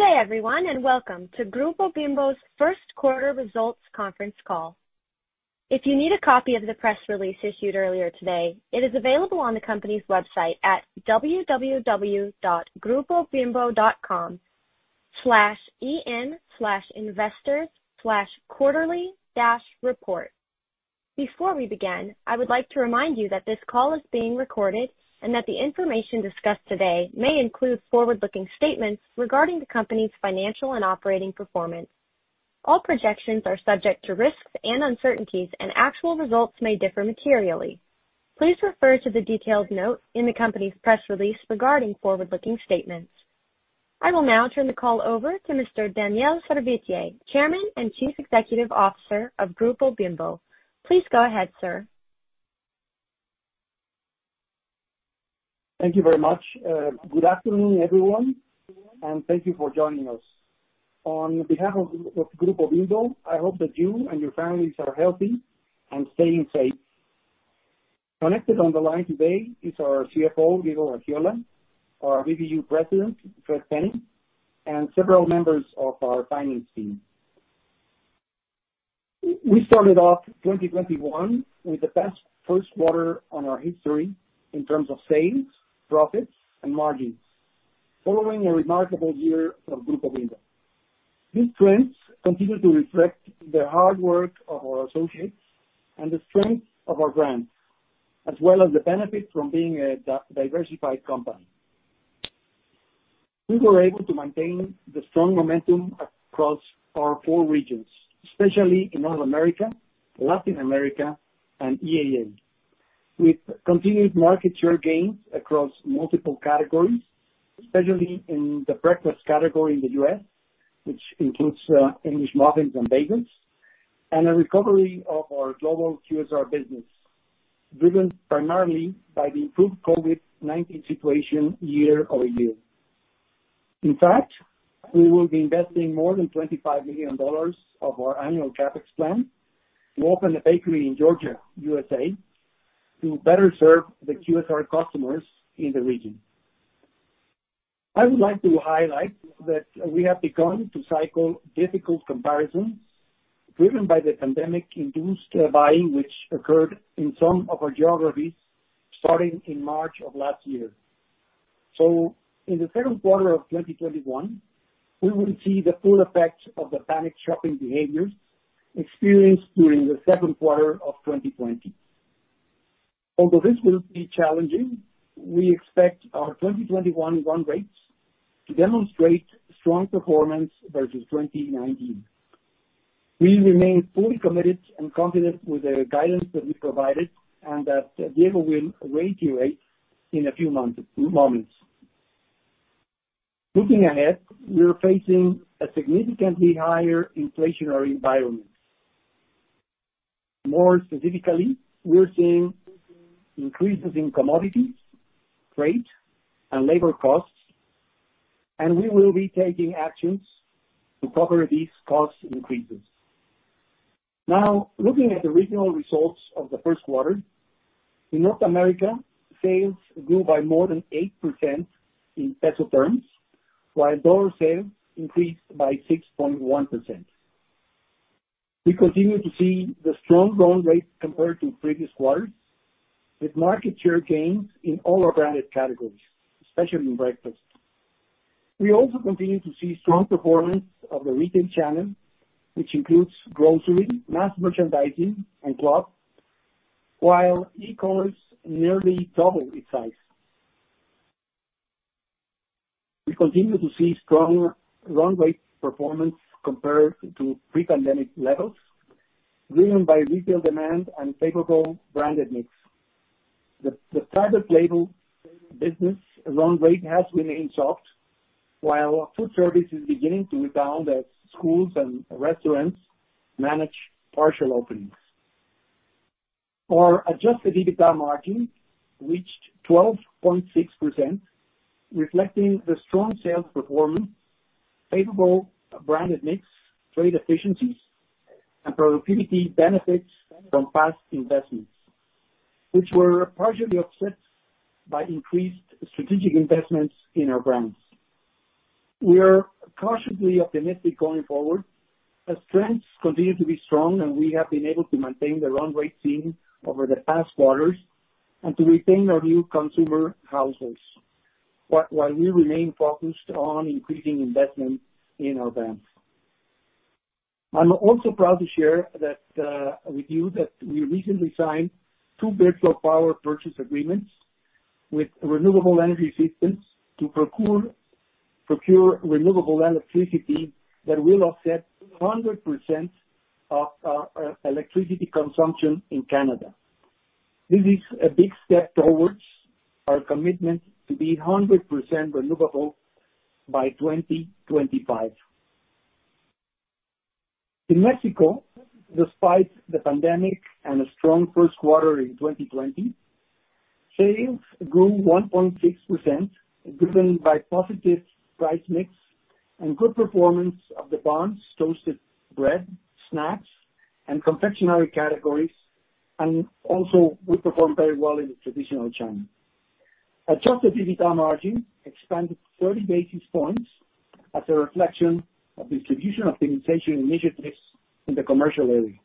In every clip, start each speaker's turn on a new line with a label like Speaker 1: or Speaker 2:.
Speaker 1: Good day everyone, welcome to Grupo Bimbo's first quarter results conference call. If you need a copy of the press release issued earlier today, it is available on the company's website at www.grupobimbo.com/en/investors/quarterly-report. Before we begin, I would like to remind you that this call is being recorded and that the information discussed today may include forward-looking statements regarding the company's financial and operating performance. All projections are subject to risks and uncertainties, and actual results may differ materially. Please refer to the detailed note in the company's press release regarding forward-looking statements. I will now turn the call over to Mr. Daniel Servitje, Chairman and Chief Executive Officer of Grupo Bimbo. Please go ahead, sir.
Speaker 2: Thank you very much. Good afternoon, everyone, and thank you for joining us. On behalf of Grupo Bimbo, I hope that you and your families are healthy and staying safe. Connected on the line today is our CFO, Diego Gaxiola, our BBU President, Fred Penny, and several members of our finance team. We started off 2021 with the best first quarter on our history in terms of sales, profits, and margins following a remarkable year for Grupo Bimbo. These trends continue to reflect the hard work of our associates and the strength of our brands, as well as the benefit from being a diversified company. We were able to maintain the strong momentum across our four regions, especially in North America, Latin America, and EAA, with continued market share gains across multiple categories, especially in the breakfast category in the U.S., which includes English muffins and bagels, and a recovery of our global QSR business, driven primarily by the improved COVID-19 situation YoY. In fact, we will be investing more than $25 million of our annual CapEx plan to open a bakery in Georgia, U.S.A., to better serve the QSR customers in the region. I would like to highlight that we have begun to cycle difficult comparisons driven by the pandemic-induced buying, which occurred in some of our geographies starting in March of last year. In the second quarter of 2021, we will see the full effect of the panic shopping behaviors experienced during the second quarter of 2020. Although this will be challenging, we expect our 2021 run rates to demonstrate strong performance versus 2019. We remain fully committed and confident with the guidance that we provided and that Diego will reiterate in a few moments. Looking ahead, we are facing a significantly higher inflationary environment. More specifically, we are seeing increases in commodities, freight, and labor costs, and we will be taking actions to cover these cost increases. Now, looking at the regional results of the first quarter, in North America, sales grew by more than 8% in Mexican peso terms, while dollar sales increased by 6.1%. We continue to see the strong run rate compared to previous quarters, with market share gains in all our branded categories, especially in breakfast. We also continue to see strong performance of the retail channel, which includes grocery, mass merchandising, and club, while e-commerce nearly doubled in size. We continue to see strong run rate performance compared to pre-pandemic levels, driven by retail demand and favorable branded mix. The private label business run rate has remained soft, while our food service is beginning to rebound as schools and restaurants manage partial openings. Our Adjusted EBITDA margin reached 12.6%, reflecting the strong sales performance, favorable branded mix, trade efficiencies, and productivity benefits from past investments, which were partially offset by increased strategic investments in our brands. We are cautiously optimistic going forward as trends continue to be strong, and we have been able to maintain the run rate seen over the past quarters and to retain our new consumer households, while we remain focused on increasing investment in our brands. I'm also proud to share with you that we recently signed two Virtual Power Purchase Agreement with Renewable Energy Systems to procure renewable electricity that will offset 100% of our electricity consumption in Canada. This is a big step towards our commitment to be 100% renewable by 2025. In Mexico, despite the pandemic and a strong first quarter in 2020, sales grew 1.6%, driven by positive price mix and good performance of the buns, toasted bread, snacks, and confectionery categories. Also, we performed very well in the traditional channel. Adjusted EBITDA margin expanded 30 basis points as a reflection of distribution optimization initiatives in the commercial area.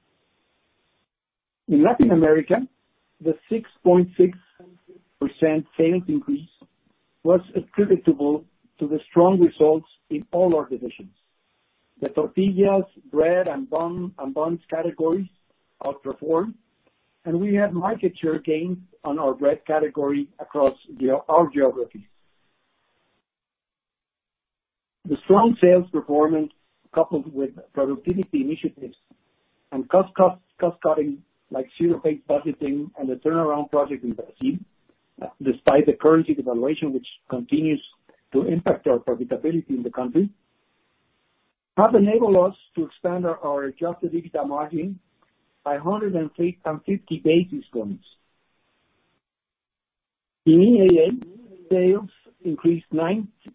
Speaker 2: In Latin America, the 6.6% sales increase was attributable to the strong results in all our divisions. The tortillas, bread, and buns categories outperformed, and we had market share gains on our bread category across our geography. The strong sales performance, coupled with productivity initiatives and cost-cutting, like zero-based budgeting and the turnaround project in Brazil, despite the currency devaluation, which continues to impact our profitability in the country, have enabled us to expand our Adjusted EBITDA margin by 150 basis points. In EAA, sales increased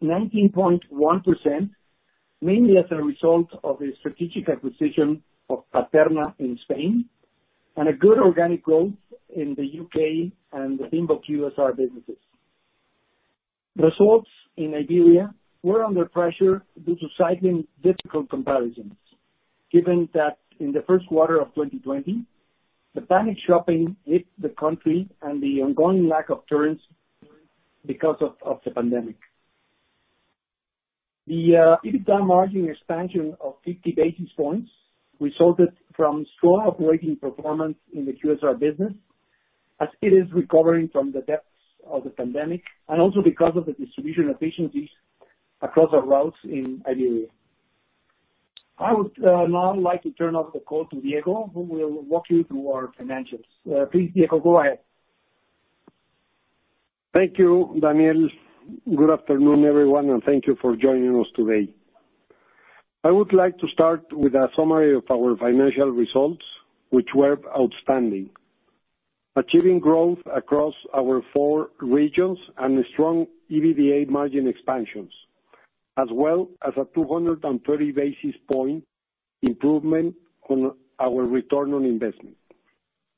Speaker 2: 19.1%, mainly as a result of the strategic acquisition of Paterna in Spain and a good organic growth in the U.K. and the Bimbo QSR businesses. Results in Iberia were under pressure due to cycling difficult comparisons, given that in the first quarter of 2020, the panic shopping hit the country and the ongoing lack of tourists because of the pandemic. The EBITDA margin expansion of 50 basis points resulted from strong operating performance in the QSR business, as it is recovering from the depths of the pandemic, and also because of the distribution efficiencies across our routes in Iberia. I would now like to turn over the call to Diego, who will walk you through our financials. Please, Diego, go ahead.
Speaker 3: Thank you, Daniel. Good afternoon, everyone, and thank you for joining us today. I would like to start with a summary of our financial results, which were outstanding, achieving growth across our four regions and strong EBITDA margin expansions, as well as a 230 basis point improvement on our return on investment.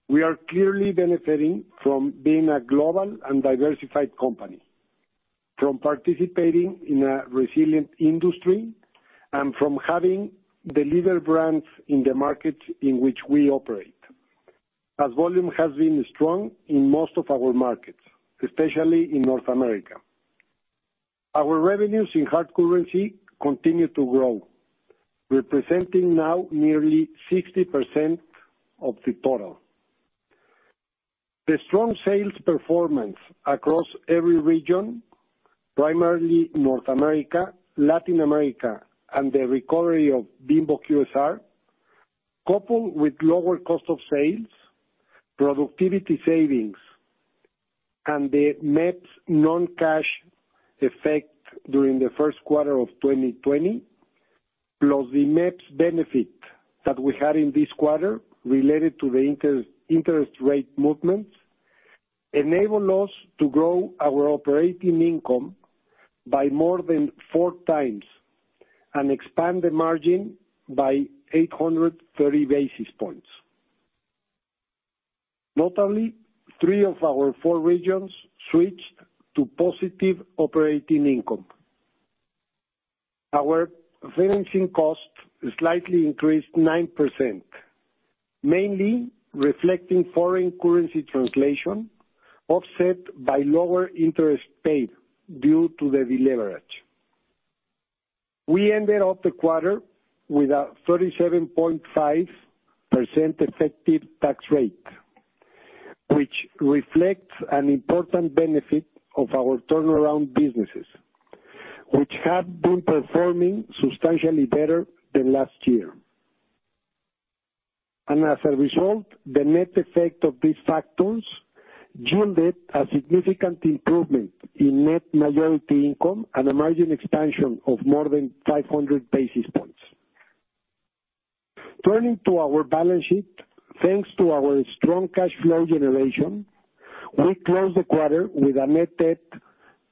Speaker 3: We are clearly benefiting from being a global and diversified company, from participating in a resilient industry, and from having the leader brands in the markets in which we operate, as volume has been strong in most of our markets, especially in North America. Our revenues in hard currency continue to grow, representing now nearly 60% of the total. The strong sales performance across every region, primarily North America, Latin America, and the recovery of Bimbo QSR, coupled with lower cost of sales, productivity savings, and the MEPPs non-cash effect during the first quarter of 2020, plus the MEPPs benefit that we had in this quarter related to the interest rate movements, enabled us to grow our operating income by more than four times and expand the margin by 830 basis points. Notably, three of our four regions switched to positive operating income. Our financing cost slightly increased 9%, mainly reflecting foreign currency translation offset by lower interest paid due to the deleverage. We ended off the quarter with a 37.5% effective tax rate, which reflects an important benefit of our turnaround businesses, which have been performing substantially better than last year. As a result, the net effect of these factors yielded a significant improvement in net majority income and a margin expansion of more than 500 basis points. Turning to our balance sheet, thanks to our strong cash flow generation, we closed the quarter with a net debt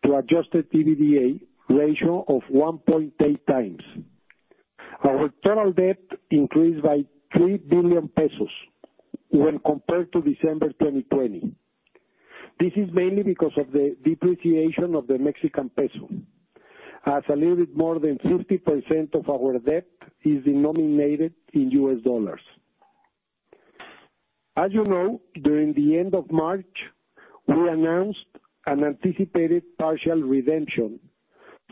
Speaker 3: to Adjusted EBITDA ratio of 1.8x. Our total debt increased by 3 billion pesos when compared to December 2020. This is mainly because of the depreciation of the Mexican peso, as a little more than 50% of our debt is denominated in US dollars. As you know, during the end of March, we announced an anticipated partial redemption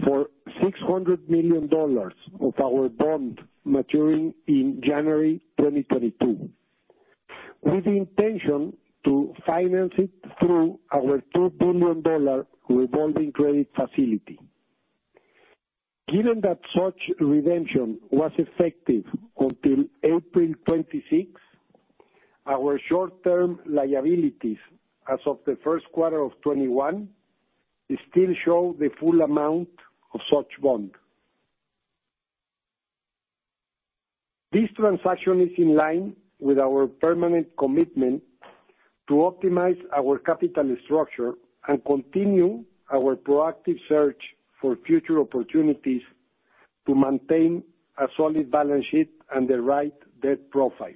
Speaker 3: for $600 million of our bond maturing in January 2022, with the intention to finance it through our $2 billion revolving credit facility. Given that such redemption was effective until April 26, our short-term liabilities as of the first quarter of 2021 still show the full amount of such bond. This transaction is in line with our permanent commitment to optimize our capital structure and continue our proactive search for future opportunities to maintain a solid balance sheet and the right debt profile.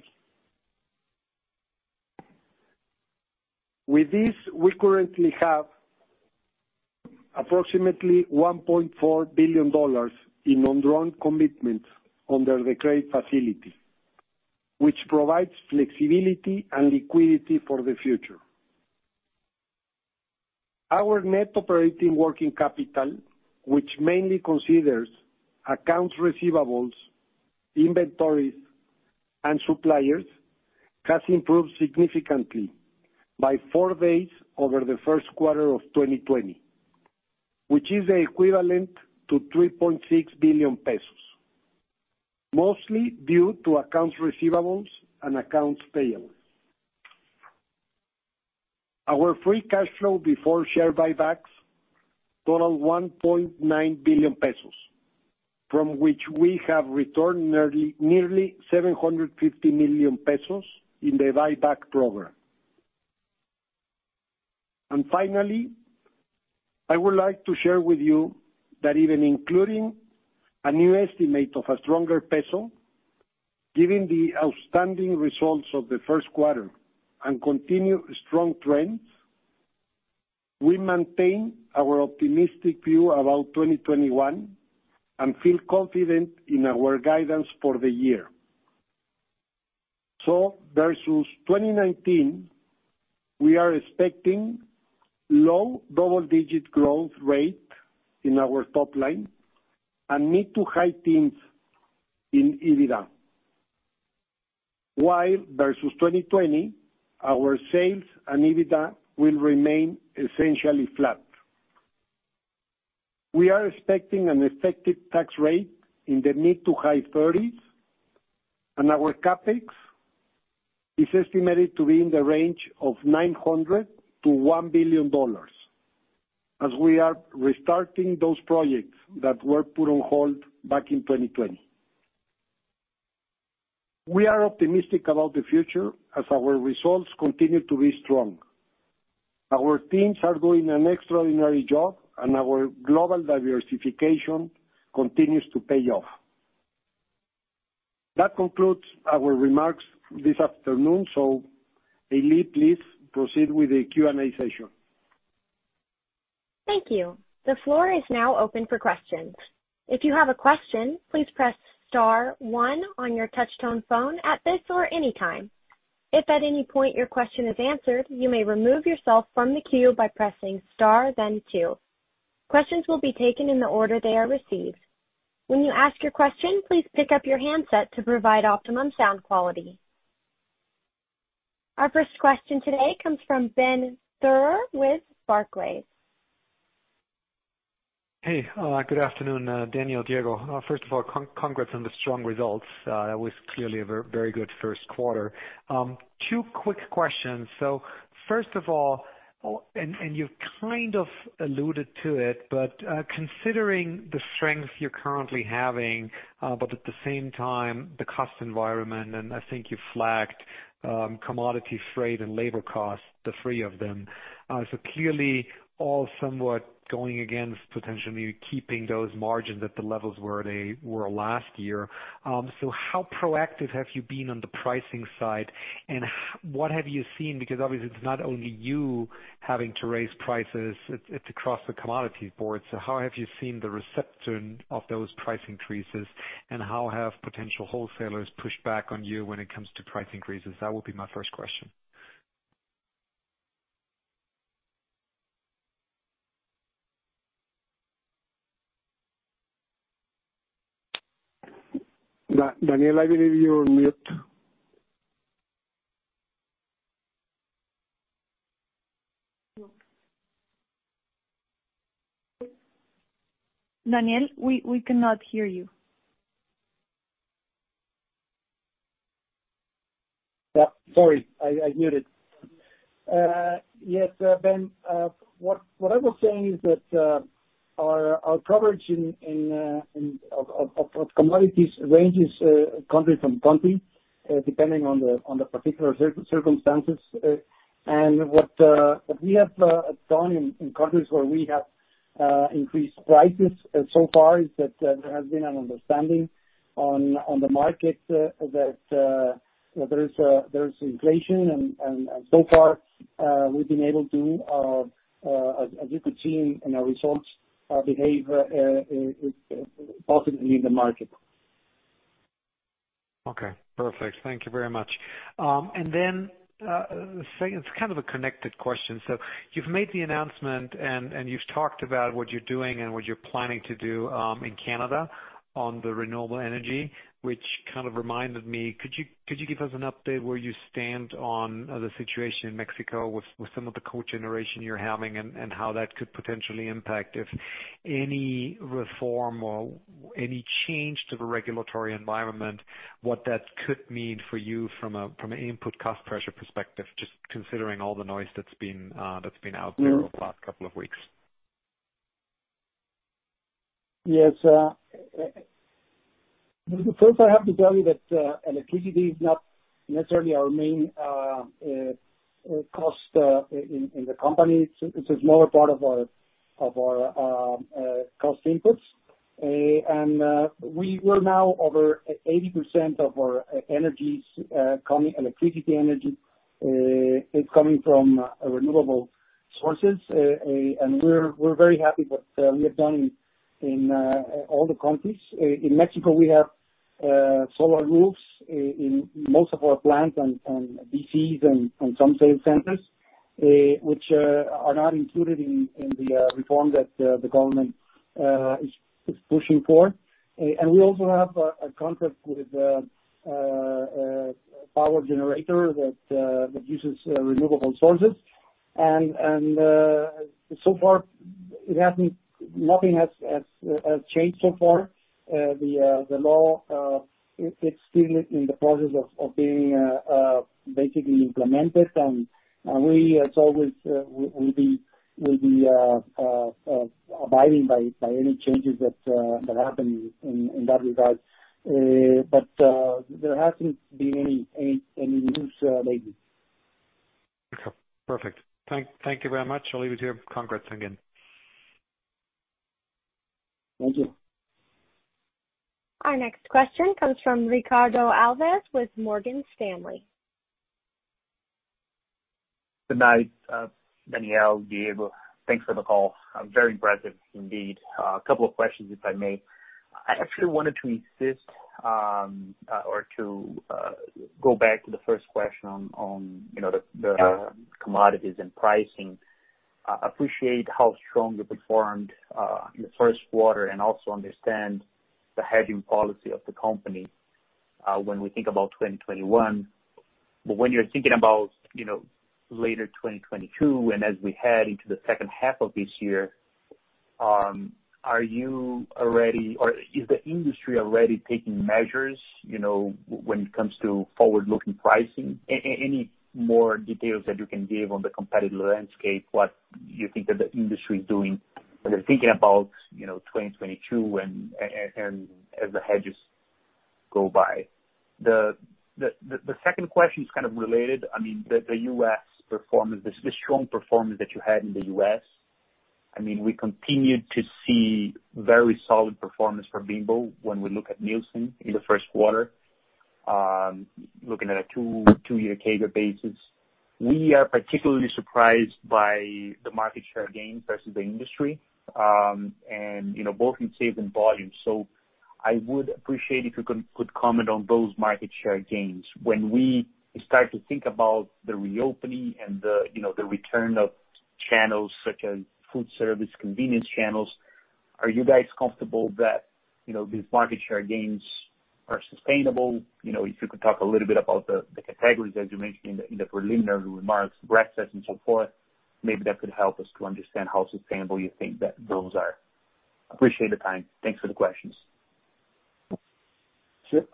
Speaker 3: With this, we currently have approximately $1.4 billion in undrawn commitments under the credit facility, which provides flexibility and liquidity for the future. Our net operating working capital, which mainly considers accounts receivables, inventories, and suppliers, has improved significantly by four days over the first quarter of 2020, which is equivalent to 3.6 billion pesos, mostly due to accounts receivables and accounts payables. Our free cash flow before share buybacks totaled 1.9 billion pesos, from which we have returned nearly 750 million pesos in the buyback program. Finally, I would like to share with you that even including a new estimate of a stronger peso, given the outstanding results of the first quarter and continued strong trends, we maintain our optimistic view about 2021 and feel confident in our guidance for the year. Versus 2019, we are expecting low double-digit growth rate in our top line and mid to high teens in EBITDA. While versus 2020, our sales and EBITDA will remain essentially flat. We are expecting an effective tax rate in the mid to high 30%s, and our CapEx is estimated to be in the range of $900 million-$1 billion, as we are restarting those projects that were put on hold back in 2020. We are optimistic about the future as our results continue to be strong. Our teams are doing an extraordinary job, and our global diversification continues to pay off. That concludes our remarks this afternoon. Eli, please proceed with the Q&A session.
Speaker 1: Thank you. The floor is now open for questions. If you have a question, please press star one on your touch-tone phone at this or any time. If at any point your question is answered, you may remove yourself from the queue by pressing star then two. Questions will be taken in the order they are received. When you ask your question, please pick up your handset to provide optimum sound quality. Our first question today comes from Ben Theurer with Barclays.
Speaker 4: Hey, good afternoon, Daniel, Diego. First of all, congrats on the strong results. That was clearly a very good first quarter. Two quick questions. First of all, and you've kind of alluded to it, but considering the strength you're currently having, but at the same time, the cost environment, and I think you flagged commodity freight and labor costs, the three of them. Clearly all somewhat going against potentially keeping those margins at the levels where they were last year. How proactive have you been on the pricing side, and what have you seen? Because obviously, it's not only you having to raise prices, it's across the commodity board. How have you seen the reception of those price increases, and how have potential wholesalers pushed back on you when it comes to price increases? That would be my first question.
Speaker 3: Daniel, I believe you're on mute.
Speaker 1: Daniel, we cannot hear you.
Speaker 2: Sorry, I muted. Yes, Ben, what I was saying is that our coverage of commodities ranges country from country, depending on the particular circumstances. What we have done in countries where we have increased prices so far is that there has been an understanding on the market that there is inflation, and so far, we've been able to, as you could see in our results, behave positively in the market.
Speaker 4: Okay, perfect. Thank you very much. Then, it's kind of a connected question. You've made the announcement, and you've talked about what you're doing and what you're planning to do in Canada on the renewable energy. Which kind of reminded me, could you give us an update where you stand on the situation in Mexico with some of the cogeneration you're having and how that could potentially impact if any reform or any change to the regulatory environment, what that could mean for you from an input cost pressure perspective, just considering all the noise that's been out there over the past couple of weeks?
Speaker 3: Yes. First, I have to tell you that electricity is not necessarily our main cost in the company. It's a smaller part of our cost inputs.
Speaker 2: We are now over 80% of our energy is coming, electricity energy, is coming from renewable sources. We're very happy what we have done in all the countries. In Mexico, we have solar roofs in most of our plants and DCs and some sales centers, which are not included in the reform that the government is pushing for. We also have a contract with a power generator that uses renewable sources. So far nothing has changed so far. The law, it's still in the process of being basically implemented and we, as always, will be abiding by any changes that happen in that regard. There hasn't been any news lately.
Speaker 4: Okay, perfect. Thank you very much. I'll leave it here. Congrats again.
Speaker 2: Thank you.
Speaker 1: Our next question comes from Ricardo Alves with Morgan Stanley.
Speaker 5: Good night, Daniel, Gabriel. Thanks for the call. Very impressive indeed. Couple of questions, if I may. I actually wanted to insist, or to go back to the first question on the commodities and pricing. Appreciate how strong you performed in the first quarter and also understand the hedging policy of the company when we think about 2021. When you're thinking about later 2022, and as we head into the second half of this year, are you already, or is the industry already taking measures when it comes to forward-looking pricing? Any more details that you can give on the competitive landscape, what you think that the industry is doing when they're thinking about 2022 and as the hedges go by? The second question is kind of related. The U.S. performance, the strong performance that you had in the U.S. We continue to see very solid performance for Bimbo when we look at Nielsen in the first quarter, looking at a two-year CAGR basis. We are particularly surprised by the market share gains versus the industry, and both in sales and volume. I would appreciate if you could comment on those market share gains. When we start to think about the reopening and the return of channels such as food service, convenience channels, are you guys comfortable that these market share gains are sustainable? If you could talk a little bit about the categories, as you mentioned in the preliminary remarks, breakfast and so forth, maybe that could help us to understand how sustainable you think that those are. Appreciate the time. Thanks for the questions.
Speaker 2: Sure.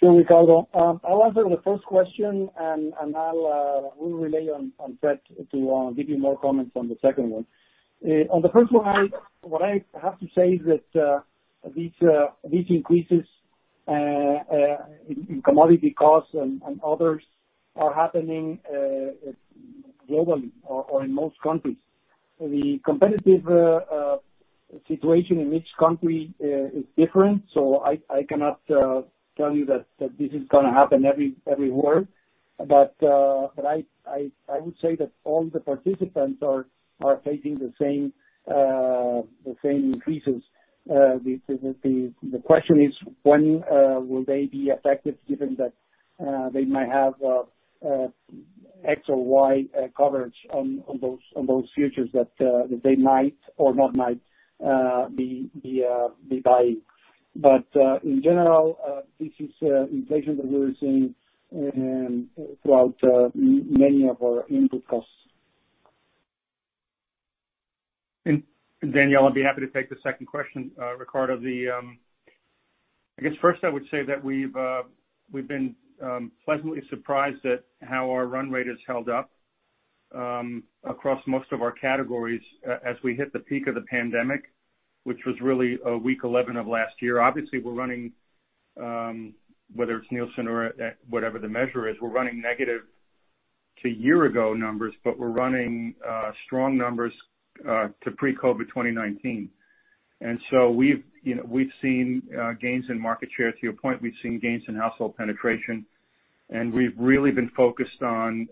Speaker 2: Sure, Ricardo. I'll answer the first question, and we'll rely on Fred to give you more comments on the second one. On the first one, what I have to say is that these increases in commodity costs and others are happening globally or in most countries. The competitive situation in each country is different. I cannot tell you that this is going to happen everywhere. I would say that all the participants are facing the same increases. The question is when will they be effective given that they might have X or Y coverage on those futures that they might or not might be buying. In general, this is inflation that we are seeing throughout many of our input costs.
Speaker 6: Daniel, I'll be happy to take the second question, Ricardo. I guess first I would say that we've been pleasantly surprised at how our run rate has held up, across most of our categories as we hit the peak of the pandemic, which was really week 11 of last year. Obviously, we're running, whether it's Nielsen or whatever the measure is, we're running negative to year-ago numbers, but we're running strong numbers to pre-COVID 2019. We've seen gains in market share. To your point, we've seen gains in household penetration, and we've really been focused on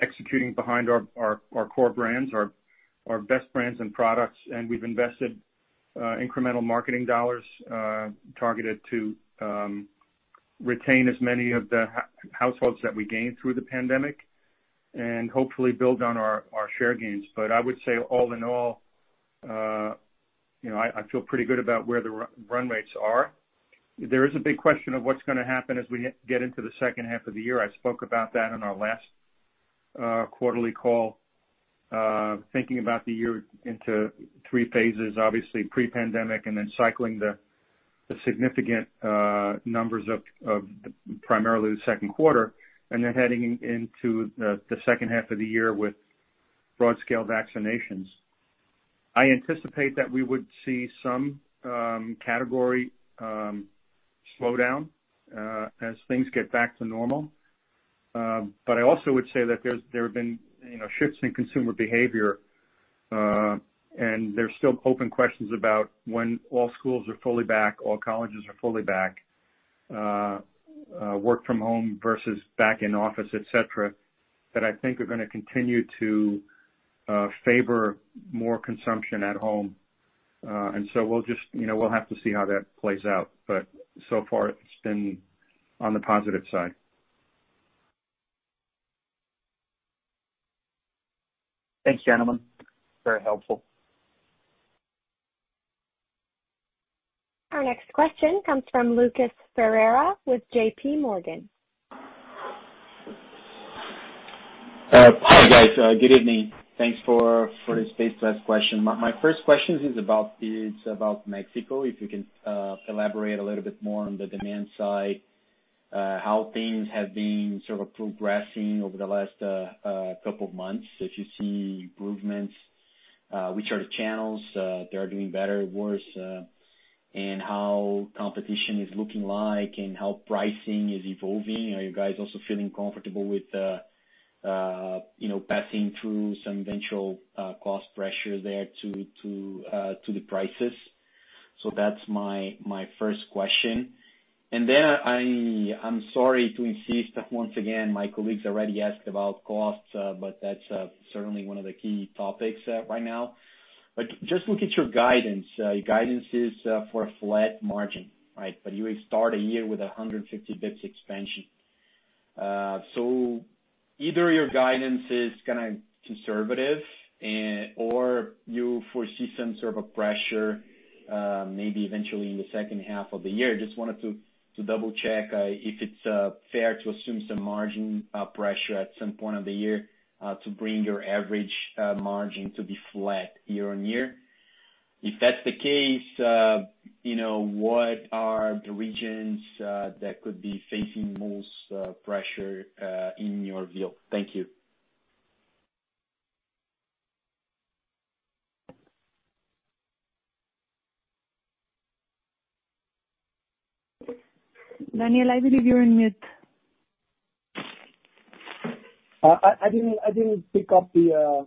Speaker 6: executing behind our core brands, our best brands and products. We've invested incremental marketing dollars targeted to retain as many of the households that we gained through the pandemic and hopefully build on our share gains. I would say all in all, I feel pretty good about where the run rates are. There is a big question of what's going to happen as we get into the second half of the year. I spoke about that on our last quarterly call. Thinking about the year into three phases, obviously pre-pandemic and then cycling the significant numbers of primarily the second quarter and then heading into the second half of the year with broad-scale vaccinations. I anticipate that we would see some category slowdown as things get back to normal. I also would say that there have been shifts in consumer behavior, and there's still open questions about when all schools are fully back, all colleges are fully back, work from home versus back in office, et cetera, that I think are going to continue to favor more consumption at home. We'll have to see how that plays out, but so far, it's been on the positive side.
Speaker 5: Thanks, gentlemen. Very helpful.
Speaker 1: Our next question comes from Lucas Ferreira with J.P. Morgan.
Speaker 7: Hi, guys. Good evening. Thanks for the space to ask question. My first question is about Mexico. If you can elaborate a little bit more on the demand side, how things have been sort of progressing over the last couple of months. If you see improvements, which are the channels that are doing better or worse, and how competition is looking like and how pricing is evolving. Are you guys also feeling comfortable with passing through some eventual cost pressure there to the prices? That's my first question. I'm sorry to insist that once again, my colleagues already asked about costs, that's certainly one of the key topics right now. Just look at your guidance. Your guidance is for a flat margin, right? You would start a year with 150 basis points expansion. Either your guidance is kind of conservative or you foresee some sort of a pressure, maybe eventually in the second half of the year. Just wanted to double-check if it's fair to assume some margin pressure at some point of the year, to bring your average margin to be flat year-on-year. If that's the case, what are the regions that could be facing most pressure in your view? Thank you.
Speaker 1: Daniel, I believe you're on mute.
Speaker 2: I didn't pick up the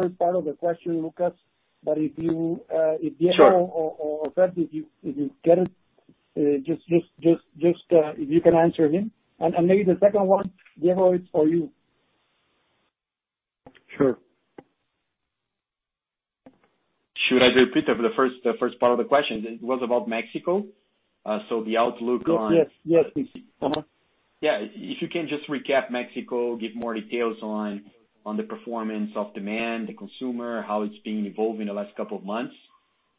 Speaker 2: first part of the question, Lucas, but if you-
Speaker 7: Sure.
Speaker 2: If Diego or Fred, if you get it, if you can answer him. Maybe the second one, Diego, it's for you.
Speaker 3: Sure.
Speaker 7: Should I repeat the first part of the question? It was about Mexico, the outlook on-
Speaker 2: Yes, please. Uh-huh.
Speaker 7: Yeah. If you can just recap Mexico, give more details on the performance of demand, the consumer, how it's been evolving in the last couple of months,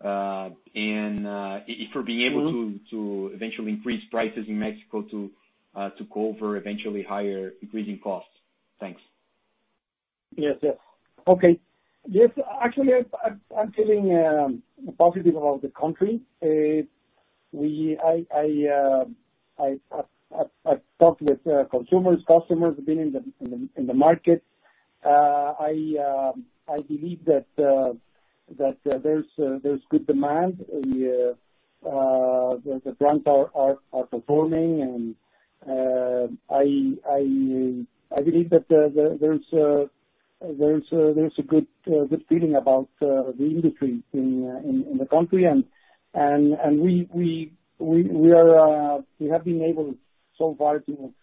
Speaker 7: and if we're being able to eventually increase prices in Mexico to cover eventually higher increasing costs. Thanks.
Speaker 2: Yes. Okay. Yes, actually, I'm feeling positive about the country. I've talked with consumers, customers, been in the market. I believe that there's good demand. The brands are performing, and I believe that there's a good feeling about the industry in the country. We have been able so far to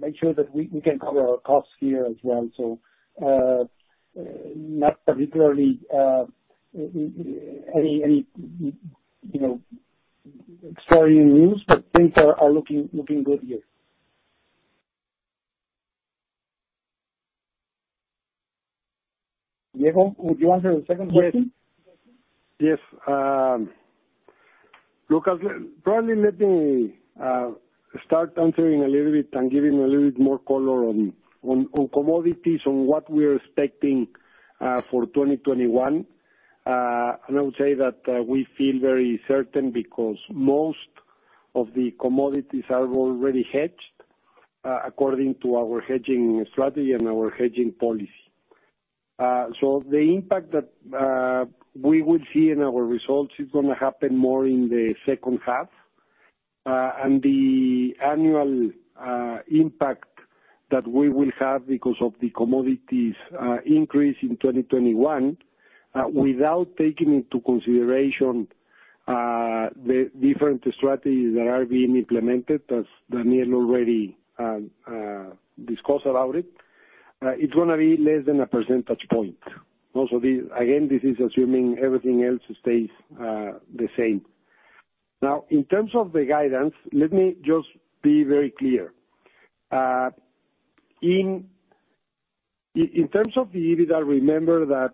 Speaker 2: make sure that we can cover our costs here as well. Not particularly any extraordinary news, but things are looking good here. Diego, would you answer the second question?
Speaker 3: Yes. Lucas, probably let me start answering a little bit and giving a little bit more color on commodities, on what we are expecting for 2021. I would say that we feel very certain because most of the commodities are already hedged, according to our hedging strategy and our hedging policy. The impact that we will see in our results is going to happen more in the second half. The annual impact that we will have because of the commodities increase in 2021, without taking into consideration the different strategies that are being implemented, as Daniel already discussed about it's gonna be less than a percentage point. Again, this is assuming everything else stays the same. In terms of the guidance, let me just be very clear. In terms of the EBITDA, remember that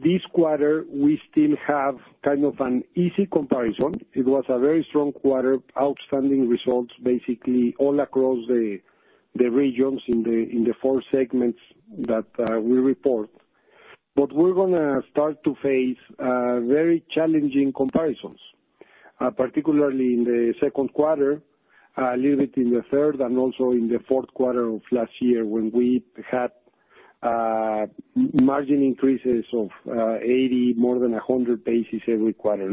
Speaker 3: this quarter, we still have kind of an easy comparison. It was a very strong quarter, outstanding results, basically all across the regions in the four segments that we report. We're gonna start to face very challenging comparisons, particularly in the second quarter, a little bit in the third and also in the fourth quarter of last year when we had margin increases of 80 basis points, more than 100 basis points every quarter.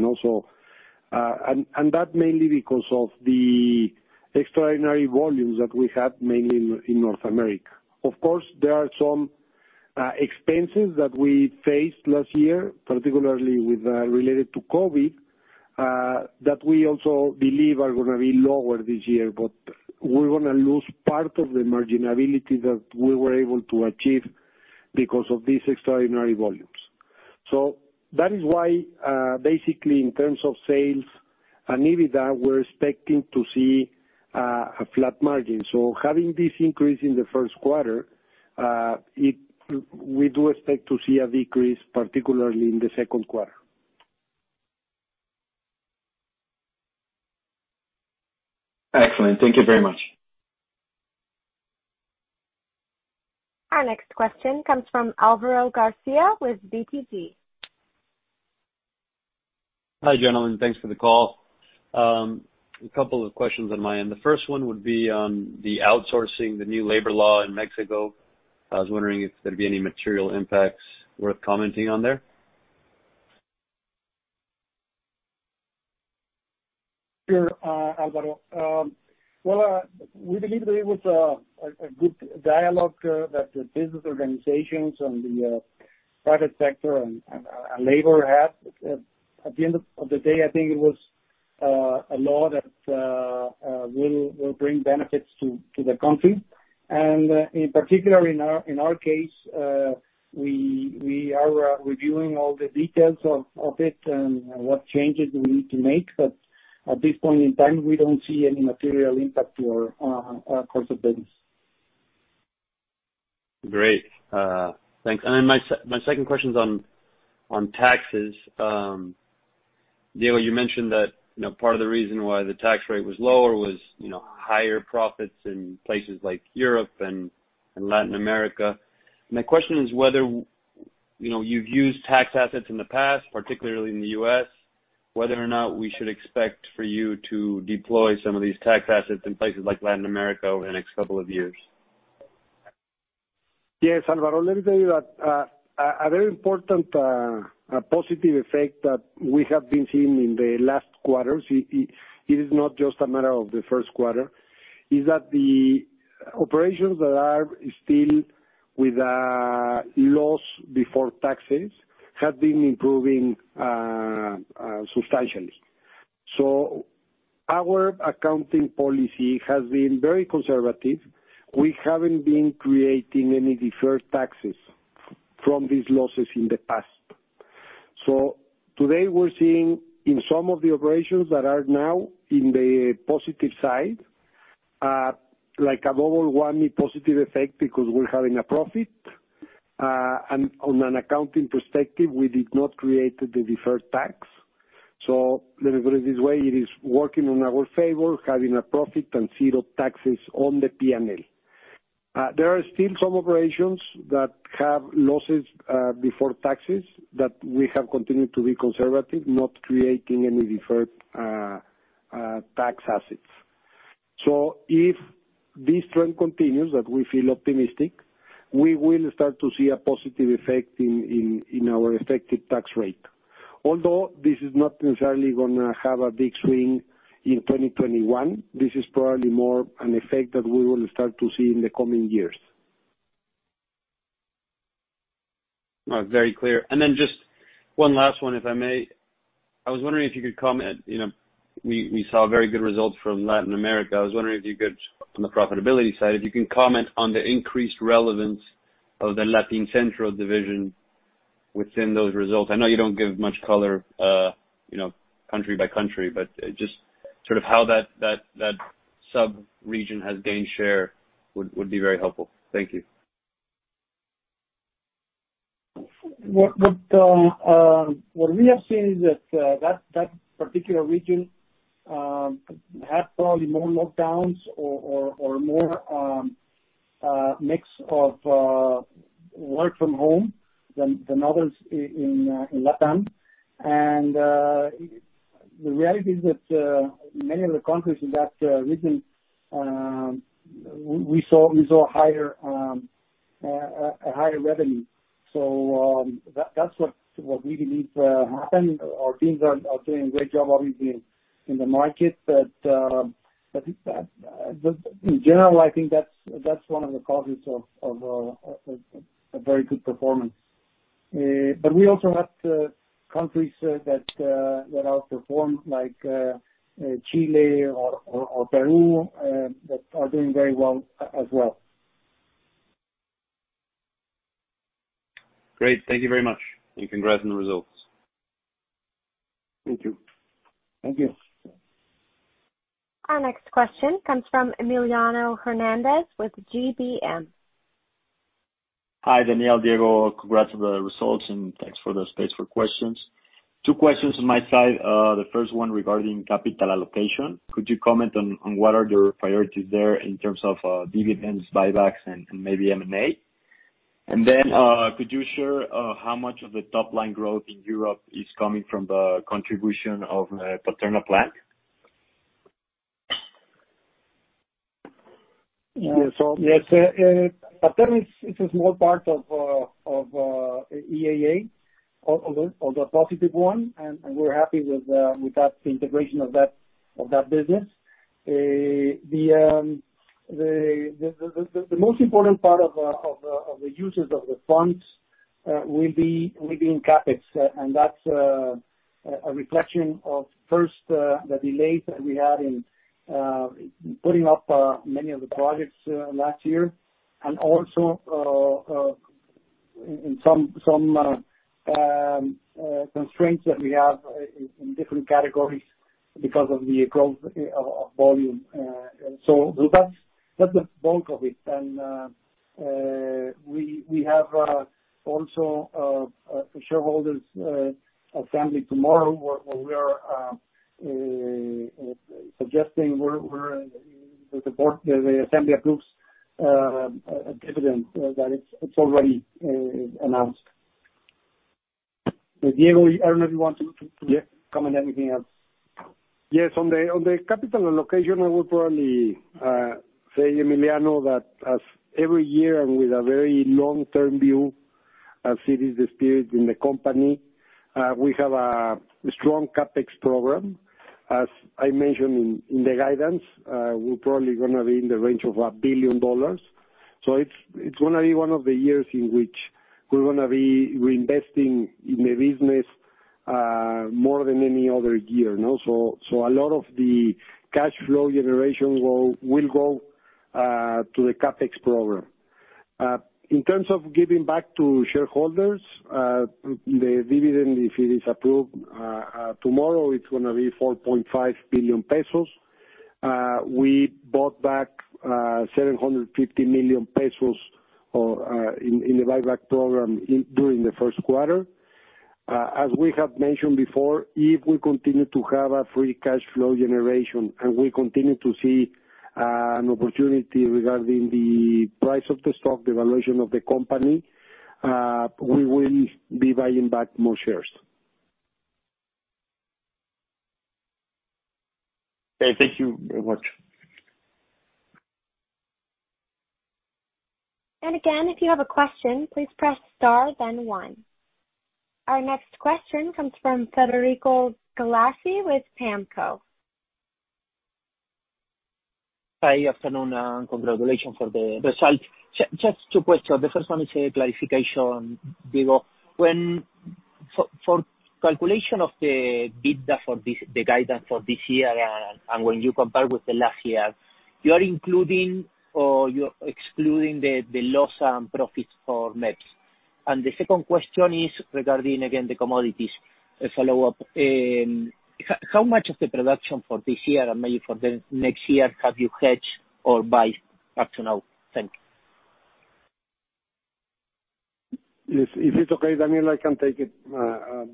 Speaker 3: That mainly because of the extraordinary volumes that we had, mainly in North America. Of course, there are some expenses that we faced last year, particularly related to COVID, that we also believe are going to be lower this year. We're going to lose part of the margin ability that we were able to achieve because of these extraordinary volumes. That is why, basically, in terms of sales and EBITDA, we're expecting to see a flat margin. Having this increase in the first quarter, we do expect to see a decrease, particularly in the second quarter.
Speaker 7: Excellent. Thank you very much.
Speaker 1: Our next question comes from Álvaro García with BTG.
Speaker 8: Hi, gentlemen. Thanks for the call. A couple of questions on my end. The first one would be on the outsourcing the new labor law in Mexico. I was wondering if there'd be any material impacts worth commenting on there?
Speaker 2: Sure, Álvaro. Well, we believe there was a good dialogue that the business organizations and the private sector and labor had. At the end of the day, I think it was a law that will bring benefits to the country. In particular, in our case, we are reviewing all the details of it and what changes we need to make. At this point in time, we don't see any material impact to our course of business.
Speaker 8: Great. Thanks. My second question's on taxes. Daniel, you mentioned that part of the reason why the tax rate was lower was higher profits in places like Europe and Latin America. My question is whether you've used tax assets in the past, particularly in the U.S., whether or not we should expect for you to deploy some of these tax assets in places like Latin America over the next couple of years?
Speaker 3: Yes, Álvaro, let me tell you that a very important positive effect that we have been seeing in the last quarters, it is not just a matter of the first quarter, is that the operations that are still with a loss before taxes have been improving substantially. Our accounting policy has been very conservative. We haven't been creating any deferred taxes from these losses in the past. Today we're seeing in some of the operations that are now in the positive side, like a double whammy positive effect because we're having a profit, and on an accounting perspective, we did not create the deferred tax. Let me put it this way, it is working in our favor, having a profit and zero taxes on the P&L. There are still some operations that have losses before taxes that we have continued to be conservative, not creating any deferred tax assets. If this trend continues, that we feel optimistic, we will start to see a positive effect in our effective tax rate. Although this is not necessarily going to have a big swing in 2021, this is probably more an effect that we will start to see in the coming years.
Speaker 8: Very clear. Just one last one, if I may. I was wondering if you could comment, we saw very good results from Latin America. I was wondering if you could, from the profitability side, if you can comment on the increased relevance of the Latin Centro division within those results. I know you don't give much color country by country, but just sort of how that sub-region has gained share would be very helpful. Thank you.
Speaker 2: What we have seen is that that particular region had probably more lockdowns or more mix of work from home than others in Latin. The reality is that many of the countries in that region, we saw a higher revenue. That's what we believe happened. Our teams are doing a great job, obviously, in the market. In general, I think that's one of the causes of a very good performance. We also have countries that outperformed, like Chile or Peru, that are doing very well as well.
Speaker 8: Great. Thank you very much. Congrats on the results.
Speaker 2: Thank you.
Speaker 3: Thank you.
Speaker 1: Our next question comes from Emiliano Hernández with GBM.
Speaker 9: Hi, Daniel, Diego. Congrats on the results and thanks for the space for questions. two questions on my side. The first one regarding capital allocation. Could you comment on what are your priorities there in terms of dividends, buybacks, and maybe M&A? Could you share how much of the top-line growth in Europe is coming from the contribution of Paterna Plant?
Speaker 2: Yes. That is a small part of EAA, although a positive one, and we're happy with the integration of that business. The most important part of the users of the funds will be in CapEx. That's a reflection of first, the delays that we had in putting up many of the projects last year, and also some constraints that we have in different categories because of the growth of volume. That's the bulk of it. We have also a shareholders assembly tomorrow, where we are suggesting the assembly approves a dividend that it's already announced. Diego, I don't know if you want to comment anything else.
Speaker 3: On the capital allocation, I would probably say, Emiliano, that as every year, with a very long-term view, as it is the spirit in the company, we have a strong CapEx program. As I mentioned in the guidance, we're probably going to be in the range of $1 billion. It's gonna be one of the years in which we're gonna be reinvesting in the business more than any other year. A lot of the cash flow generation will go to the CapEx program. In terms of giving back to shareholders, the dividend, if it is approved tomorrow, it's going to be 4.5 billion pesos. We bought back 750 million pesos in the buyback program during the first quarter. As we have mentioned before, if we continue to have a free cash flow generation and we continue to see an opportunity regarding the price of the stock, the valuation of the company, we will be buying back more shares.
Speaker 2: Okay. Thank you very much.
Speaker 1: Again, if you have a question, please press star, then one. Our next question comes from Federico Galassi with PAAMCO.
Speaker 10: Hi, afternoon, and congratulations for the results. Just two questions. The first one is a clarification, Diego. For calculation of the EBITDA for the guidance for this year and when you compare with the last year, you are including or you are excluding the loss and profits for MEPPs? The second question is regarding, again, the commodities, a follow-up. How much of the production for this year and maybe for the next year have you hedged or buy up to now? Thank you.
Speaker 3: If it's okay, Daniel, I can take it,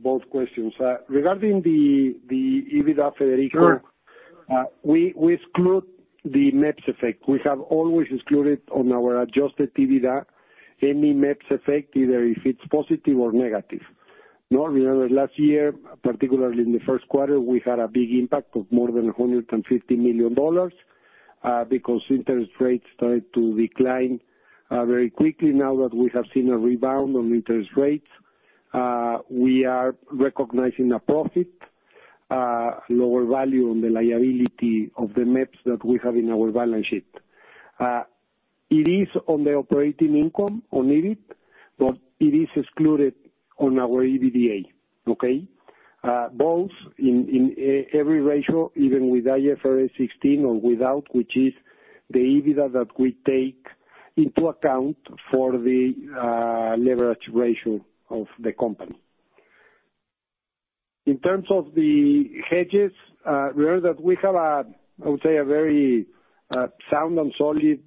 Speaker 3: both questions. Regarding the EBITDA, Federico-
Speaker 2: Sure.
Speaker 3: We exclude the MEPPs effect. We have always excluded on our Adjusted EBITDA any MEPPs effect, either if it's positive or negative. Now, remember, last year, particularly in the first quarter, we had a big impact of more than MXN 150 million, because interest rates started to decline very quickly. Now that we have seen a rebound on interest rates, we are recognizing a profit, lower value on the liability of the MEPPs that we have in our balance sheet. It is on the operating income on EBIT, but it is excluded on our EBITDA. Okay? Both in every ratio, even with IFRS 16 or without, which is the EBITDA that we take into account for the leverage ratio of the company. In terms of the hedges, remember that we have I would say, a very sound and solid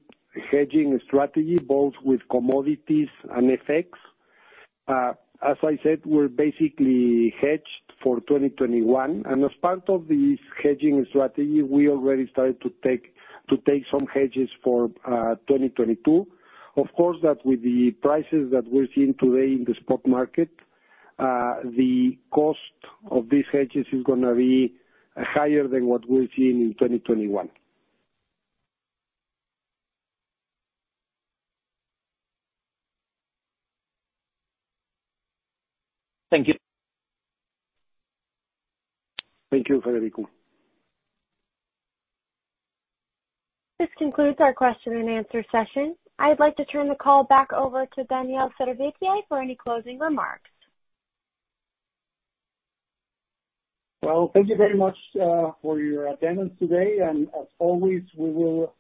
Speaker 3: hedging strategy, both with commodities and FX. As I said, we're basically hedged for 2021. As part of this hedging strategy, we already started to take some hedges for 2022. Of course, that with the prices that we're seeing today in the spot market, the cost of these hedges is going to be higher than what we're seeing in 2021.
Speaker 10: Thank you.
Speaker 3: Thank you, Federico.
Speaker 1: This concludes our question and answer session. I'd like to turn the call back over to Daniel Servitje for any closing remarks.
Speaker 2: Well, thank you very much for your attendance today, and as always, we will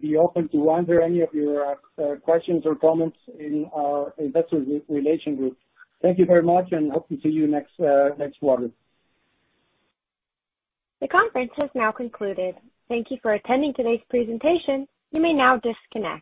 Speaker 2: be open to answer any of your questions or comments in our investor relation group. Thank you very much, and hope to see you next quarter.
Speaker 1: The conference has now concluded. Thank you for attending today's presentation. You may now disconnect.